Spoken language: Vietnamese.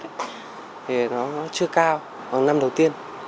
thì nó chưa cao vào năm đầu tiên